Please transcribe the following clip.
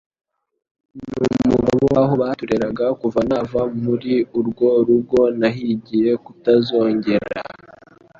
n'umugabo waho batureraga, kuva nava muri urwo rugo nahigiye kutazongera